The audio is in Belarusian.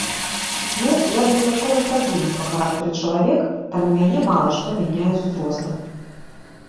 Ну, я дастаткова стабільны па характары чалавек, таму мяне мала што мяняе з узростам.